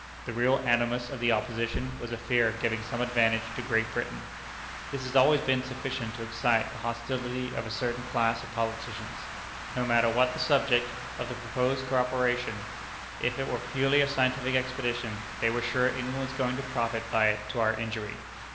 The real animus of the opposition was a fear of giving some advantage to Great Britain. This has always been sufficient to excite the hostility of a certain class of politicians. No matter what the subject of the proposed coöperation, if it were purely a scientific expedition, they were sure England was going to profit by it to our injury.